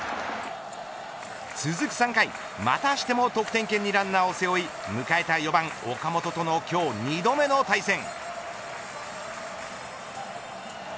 続く３回、またしても得点圏にランナーを背負い迎えた４番岡本との今日２度目の対戦。